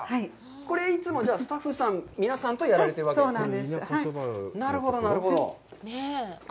これいつもスタッフさん、皆さんとやられてるわけですか。